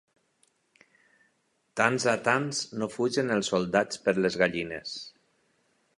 Tants a tants, no fugen els soldats per les gallines.